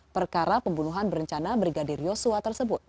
perkara pembunuhan berencana brigadir yosua tersebut